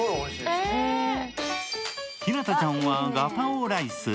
日向ちゃんはガパオライス。